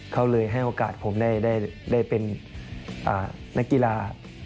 เขาเลยให้โอกาสผมได้เป็นนักกีฬา